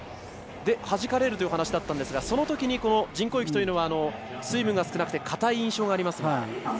はじかれるという話でしたがそのときに人工雪というのは水分が少なくてかたい印象がありますが。